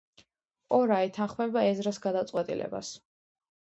ორა ეთანხმება ეზრას გადაწყვეტილებას.